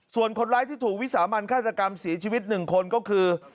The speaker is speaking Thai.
ส่วนคนร้ายที่ถูกวิสามันฆาตกรรมเสียชีวิต๑คนก็คือ